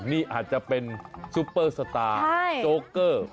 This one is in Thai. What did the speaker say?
นี่อาจจะเป็นซุปเปอร์สตาร์โจ๊กเกอร์